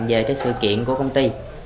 về sự kiện của công ty